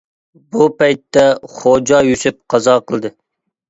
بۇ پەيتتە خوجا يۈسۈپ قازا قىلدى.